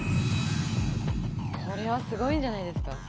これはスゴいんじゃないですか？